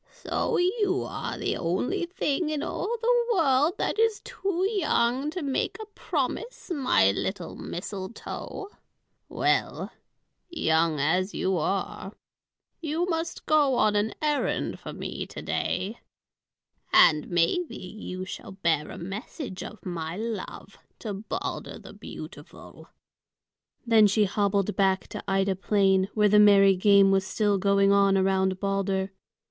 "So you are the only thing in all the world that is too young to make a promise, my little mistletoe. Well, young as you are, you must go on an errand for me to day. And maybe you shall bear a message of my love to Balder the beautiful." Then she hobbled back to Ida Plain, where the merry game was still going on around Balder.